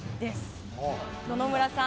野々村さん